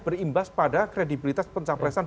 berimbas pada kredibilitas pencapresan